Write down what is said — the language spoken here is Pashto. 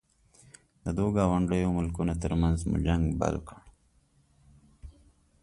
د دوو ګاونډیو ملکونو ترمنځ مو جنګ بل کړ.